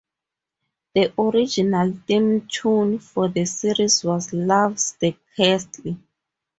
The original theme tune for the series was Love's "The Castle".